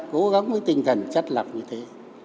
cố gắng với tinh thần chất lập như thế